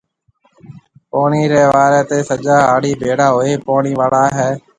پوڻِي ريَ واريَ تي سجا هاڙِي ڀيڙا هوئي پوڻِي وڙائي هيَ۔